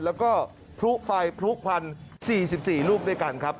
แล้วก็พลุฟัน๔๔ลูกด้วยกันครับ